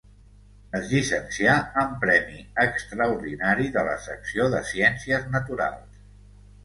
Es llicencià amb premi extraordinari de la secció de ciències naturals.